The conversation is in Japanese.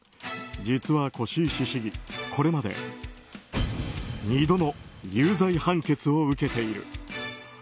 実は輿石市議、これまで２度の有罪判決を受けている。